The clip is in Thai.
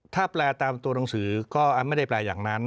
ถ้าแปลตามตัวหนังสือก็ไม่ได้แปลอย่างนั้น